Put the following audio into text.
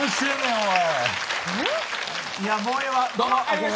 おい！